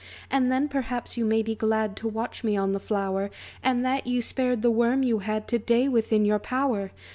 "And then, perhaps, you may be glad To watch me on the flower; And that you spared the worm you had To day within your power!"